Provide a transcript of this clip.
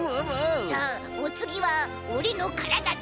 さあおつぎはオレのからだだ。